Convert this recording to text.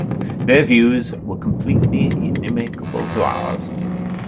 Their views were completely inimicable to ours.